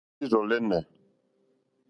Líǐrzɔ̀ lɛ́nɛ̀.